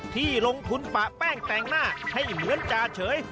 ที่ลงทุนปะแป้งแต่งหน้าให้เหมือนจาเฉย